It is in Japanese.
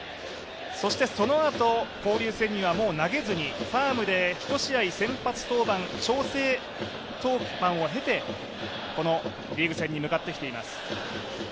そのあと、交流戦にはもう投げずに、ファームで１試合先発登板、調整登板を経てこのリーグ戦に向かってきています。